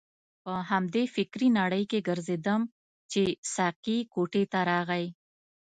په همدې فکرې نړۍ کې ګرځیدم چې ساقي کوټې ته راغی.